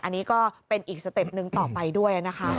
อันนี้ก็เป็นอีกสเต็ปหนึ่งต่อไปด้วยนะคะ